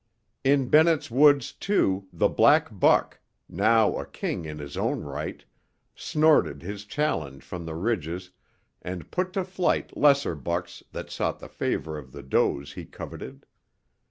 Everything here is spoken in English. In Bennett's Woods, too, the black buck, now a king in his own right, snorted his challenge from the ridges and put to flight lesser bucks that sought the favor of the does he coveted.